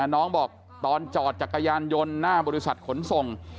น้องบอกตอนจอดจักรยานยนต์หน้าบริษัทขนส่ง